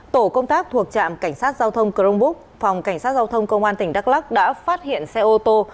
tổ công tác thuộc trạm cảnh sát giao thông crong búc phòng cảnh sát giao thông công an tỉnh đắk lắc đã phát hiện xe ô tô